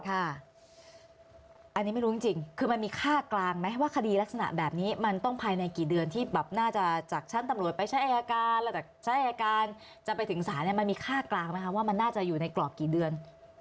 อันนี้ไม่รู้จริงคือมันมีค่ากลางไหมว่าคดีลักษณะแบบนี้มันต้องภายในกี่เดือนที่แบบน่าจะจากชั้นตำรวจไปใช้อายการใช้อายการจะไปถึงศาลมันมีค่ากลางไหมคะว่ามันน่าจะอยู่ในกรอบกี่เดือน